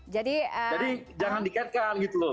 jadi jangan dikaitkan gitu loh